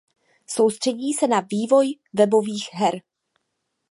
Soustředí se na vývoj webových her.